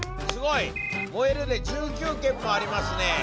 すごい！「モエル」で１９件もありますね！